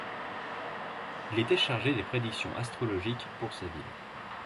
Il était chargé des prédictions astrologiques pour sa ville.